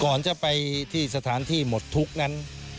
ก่อนจะไปที่สถานที่หมดทุกข์นั้น